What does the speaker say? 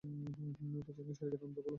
পেছনের সারিকে থামতে বল!